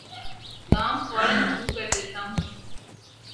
کام فورا شروع کردیتا ہوں